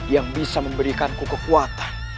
yang bisa memberi kekuatan